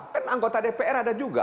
kan anggota dpr ada juga